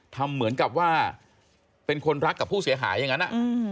ทำเหมือนกับว่าเป็นคนรักกับผู้เสียหายอย่างนั้น